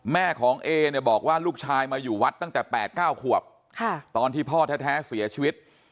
แม่ของเอเนี่ยบอกว่าลูกชายมาอยู่วัดตั้งแต่๘๙ขวบตอนที่พ่อแท้เสียชีวิต